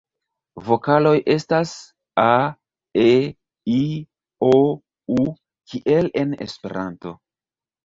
Vokaloj estas: a,e,i,o,u kiel en Esperanto.